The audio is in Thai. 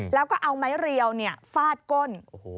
แล้วก็เอาไม้เรียวฟาดก้น